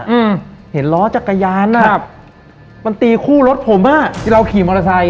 อืมเห็นล้อจักรยานอ่ะครับมันตีคู่รถผมอ่ะที่เราขี่มอเตอร์ไซค